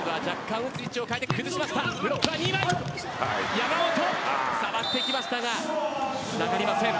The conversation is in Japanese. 山本が触りましたがつながりません。